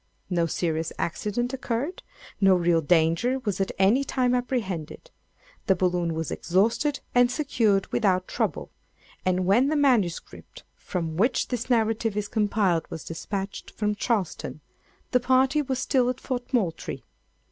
No serious accident occurred. No real danger was at any time apprehended. The balloon was exhausted and secured without trouble; and when the MS. from which this narrative is compiled was despatched from Charleston, the party were still at Fort Moultrie.